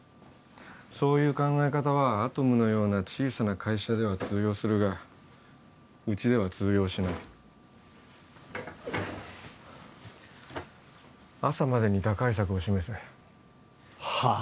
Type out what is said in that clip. そういう考え方はアトムのような小さな会社では通用するがうちでは通用しない朝までに打開策を示せはあ？